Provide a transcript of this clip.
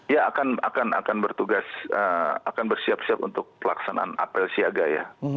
ya akan bersiap siap untuk pelaksanaan apel siaga ya